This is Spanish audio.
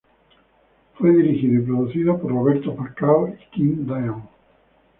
Fue dirigido y producido por Roberto Falcao y King Diamond.